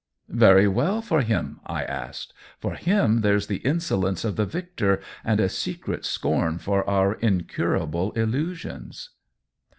* Very well, for him ?' 1 asked. * For him there's the insolence of the victor and a secret scorn for our incurable illu sions